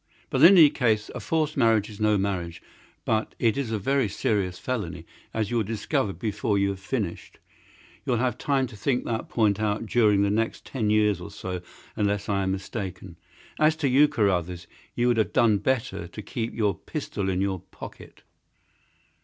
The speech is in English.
But in any case a forced marriage is no marriage, but it is a very serious felony, as you will discover before you have finished. You'll have time to think the point out during the next ten years or so, unless I am mistaken. As to you, Carruthers, you would have done better to keep your pistol in your pocket."